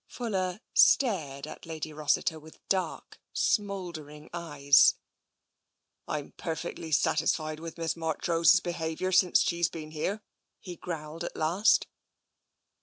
Fuller stared at Lady Rossiter with dark, smoulder ing eyes. " Fm perfectly satisfied with Miss Marchrose's be haviour since she's been here," he growled at last.